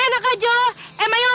emangnya lo pikir bentar bentar